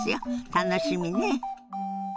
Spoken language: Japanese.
楽しみね。